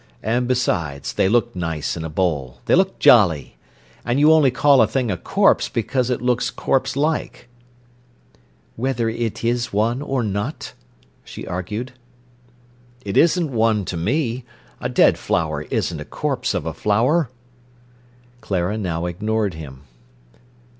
And besides, they look nice in a bowl—they look jolly. And you only call a thing a corpse because it looks corpse like." "Whether it is one or not?" she argued. "It isn't one to me. A dead flower isn't a corpse of a flower." Clara now ignored him.